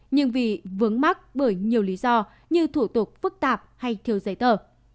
nhưng vì vướng mắc bởi nhiều lý do như thủ tục phức tạp hay thiếu giấy tờ